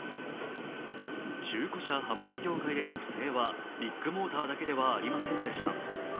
中古車販売業界での不正はビッグモーターだけではありませんでした。